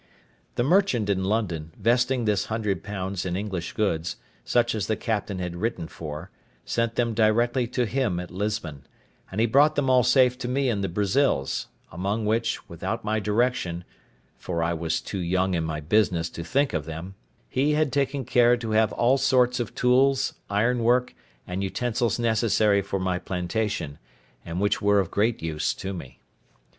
The merchant in London, vesting this hundred pounds in English goods, such as the captain had written for, sent them directly to him at Lisbon, and he brought them all safe to me to the Brazils; among which, without my direction (for I was too young in my business to think of them), he had taken care to have all sorts of tools, ironwork, and utensils necessary for my plantation, and which were of great use to me.